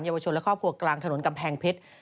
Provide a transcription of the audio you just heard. วชนและครอบครัวกลางถนนกำแพงเพชร